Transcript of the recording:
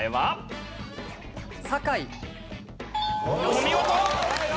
お見事！